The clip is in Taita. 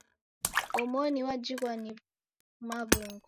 Omoni wajighwa ni maw'ungo.